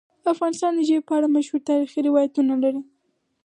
افغانستان د ژبې په اړه مشهور تاریخی روایتونه لري.